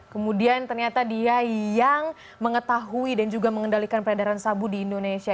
kemudian ternyata dia yang mengetahui dan juga mengendalikan peredaran sabu di indonesia